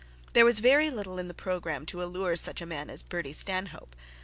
There was little in the programme to allure such a man as Bertie Stanhope.